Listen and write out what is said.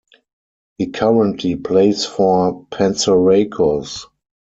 He currently plays for Panserraikos.